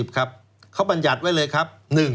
๒๑๖๐ครับเขาบัญญัติไว้เลยครับ๑